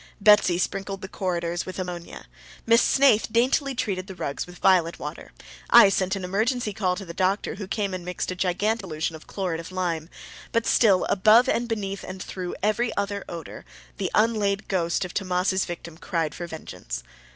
Betsy sprinkled the corridors with ammonia. Miss Snaith daintily treated the rugs with violet water. I sent an emergency call to the doctor who came and mixed a gigantic solution of chlorid of lime. But still, above and beneath and through every other odor, the unlaid ghost of Tammas's victim cried for vengeance.